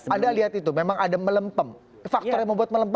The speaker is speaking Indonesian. ya anda lihat itu memang ada melempem faktor yang membuat melempem apa